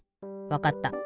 わかった。